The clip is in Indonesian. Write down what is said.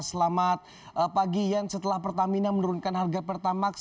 selamat pagi ian setelah pertamina menurunkan harga pertamax